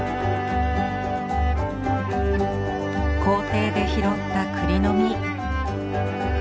校庭で拾った栗の実。